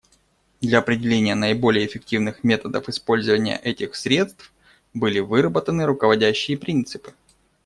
Для определения наиболее эффективных методов использования этих средств были выработаны руководящие принципы.